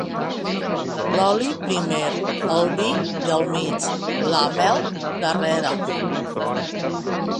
L'oli, primer; el vi, del mig; la mel, darrere.